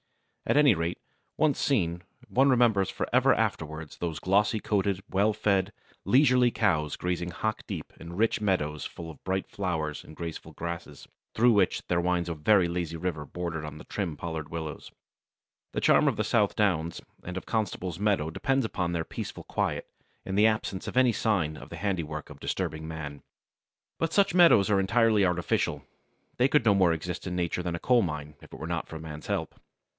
At any rate, once seen, one remembers for ever afterwards those glossy coated, well fed, leisurely cows grazing hock deep in rich meadows full of bright flowers and graceful grasses, through which there winds a very lazy river bordered by trim pollarded willows. The charm of the South Downs and of Constable's meadows depends upon their peaceful quiet, and the absence of any sign of the handiwork of disturbing man. But such meadows are entirely artificial. They could no more exist in nature than a coal mine, if it were not for man's help.